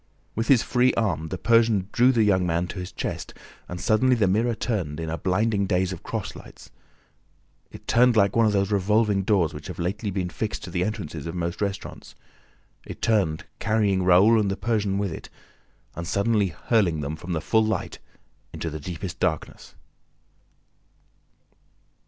With his free arm, the Persian drew the young man to his chest and, suddenly, the mirror turned, in a blinding daze of cross lights: it turned like one of those revolving doors which have lately been fixed to the entrances of most restaurants, it turned, carrying Raoul and the Persian with it and suddenly hurling them from the full light into the deepest darkness.